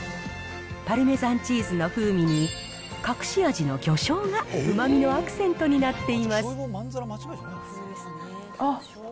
パルメザンチーズの風味に、隠し味の魚醤がうまみのアクセントになっています。